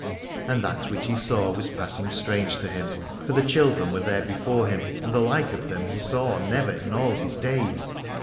And that which he saw was pass ing strange to him : for the children were there before him, and the like of them he saw never in all his days.